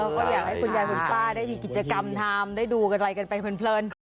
ก็อยากให้คุณยายคุณป้าได้มีกิจกรรมทำได้ดูกันอะไรกันไปเพลิน